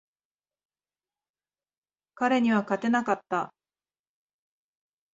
彼には勝てなかった。